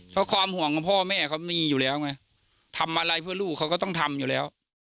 เพราะความห่วงของพ่อแม่เขามีอยู่แล้วไงทำอะไรเพื่อลูกเขาก็ต้องทำอยู่แล้ว